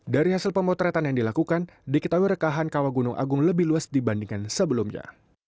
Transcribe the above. dari hasil pemotretan yang dilakukan diketahui rekahan kawah gunung agung lebih luas dibandingkan sebelumnya